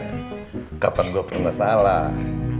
eh kapan gua pernah salah